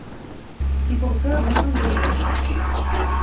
Kipokeo ne onge koda tich.